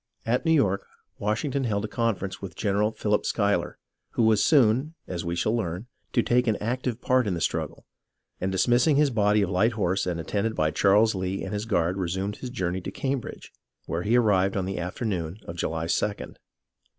At New York, Washington held a conference with Gen eral Philip Schuyler, who was soon, as we shall learn, to take an active part in the struggle, and dismissing his body of light horse and attended by Charles Lee and his guard resumed his journey to Cambridge, where he arrived on the afternoon of July 2d.